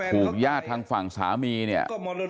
ถูกย่าดทางฝั่งสามีเนี่ย